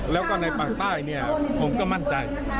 แล้วก็ในปากใต้เนี่ยผมก็มั่นใจ